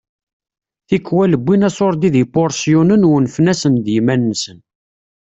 Tikwal wwin aṣurdi d ipuṛsyunen u unfen-asen d yiman-nsen.